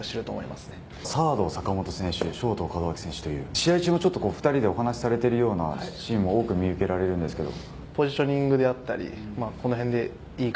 試合中、２人でちょっとお話しされてるシーンが多く見受けられるんですけれど。